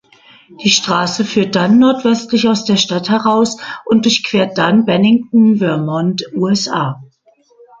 Die Straße führt dann nordwestlich aus der Stadt heraus und durchquert dann Bennington, Vermont (USA).